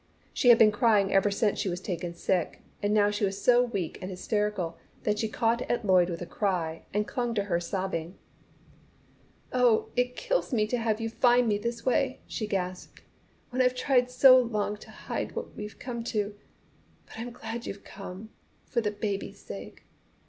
She had been crying ever since she was taken sick, and now was so weak and hysterical that she caught at Lloyd with a cry, and clung to her sobbing. "Oh, it kills me to have you find me this way!" she gasped, "when I've tried so long to hide what we've come to. But I'm glad you've come, for the baby's sake!